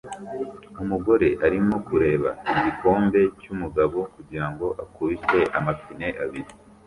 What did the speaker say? Umugore arimo kureba igikombe cyumugabo kugirango akubite amapine abiri